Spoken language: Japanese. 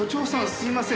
すいません